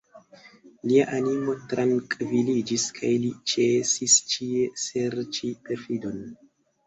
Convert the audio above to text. Lia animo trankviliĝis, kaj li ĉesis ĉie serĉi perfidon.